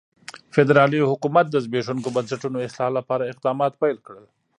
فدرالي حکومت د زبېښونکو بنسټونو اصلاح لپاره اقدامات پیل کړل.